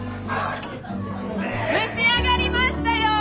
蒸し上がりましたよ！